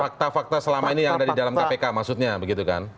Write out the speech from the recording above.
fakta fakta selama ini yang ada di dalam kpk maksudnya begitu kan